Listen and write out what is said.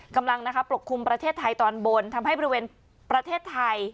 กำลังปกคลุมประเทศไทยตอนบนทำให้บริเวณประเทศไทย